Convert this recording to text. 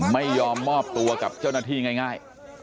ไม่ยอมมอบตัวกับเจ้าหน้าที่ง่าย